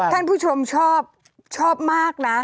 ท่านผู้ชมชอบมากนะ